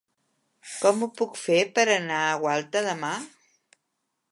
Com ho puc fer per anar a Gualta demà?